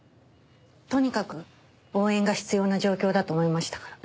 とにかく応援が必要な状況だと思いましたから。